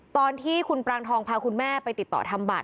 ตอนที่คุณปรางทองพาคุณแม่ไปติดต่อทำบัตร